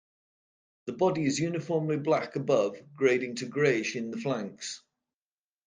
The body is uniformly black above, grading to grayish in the flanks.